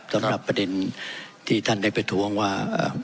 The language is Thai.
สำหรับประเด็นที่ท่านได้ประท้วงว่า